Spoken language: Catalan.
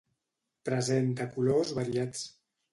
Presenta colors variats.